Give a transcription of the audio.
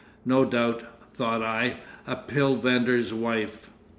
"No doubt," thought I, "a pill vendor's wife...."